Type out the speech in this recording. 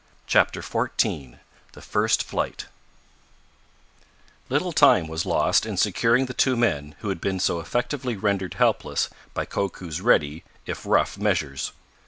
CHAPTER XIV THE FIRST FLIGHT Little time was lost in securing the two men who had been so effectively rendered helpless by Koku's ready, if rough, measures.